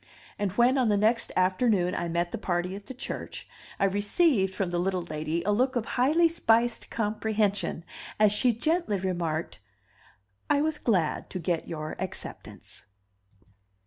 And when on the next afternoon I met the party at the church, I received from the little lady a look of highly spiced comprehension as she gently remarked, "I was glad to get your acceptance."